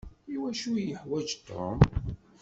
I wacu iyi-yuḥwaǧ Tom?